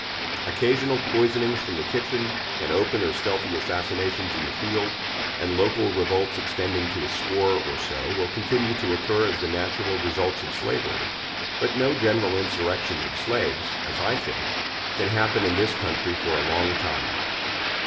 Occasional poisonings from the kitchen and open or stealthy assassinations in the field, and local revolts extending to a score or so, will continue to occur as the natural results of slavery; but no general insurrections of slaves, as I think, can happen in this country for a long time.